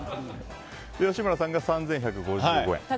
吉村さんが３１５５円。